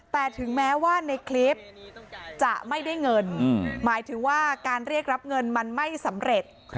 แต่ถึงแม้ว่าในคลิปจะไม่ได้เงินหมายถึงว่าการเรียกรับเงินมันไม่สำเร็จ